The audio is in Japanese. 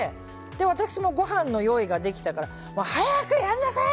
私もご飯の用意ができたから早くやんなさい！